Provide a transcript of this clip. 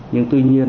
nhưng tuy nhiên